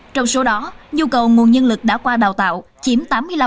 trong số đó nhu cầu nguồn nhân lực đã qua đào tạo chiếm tám mươi năm hai mươi sáu